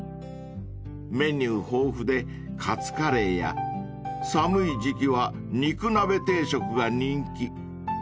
［メニュー豊富でカツカレーや寒い時季は肉鍋定食が人気］